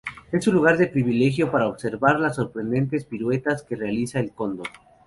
Es un lugar de privilegio para observar las sorprendentes piruetas que realiza el Cóndor.